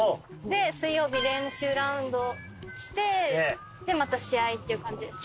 で水曜日練習ラウンドしてまた試合っていう感じです。